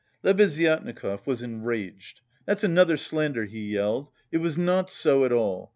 Lebeziatnikov was enraged. "That's another slander," he yelled. "It was not so at all!